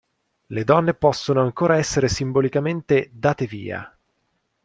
Le donne possono ancora essere simbolicamente "date via".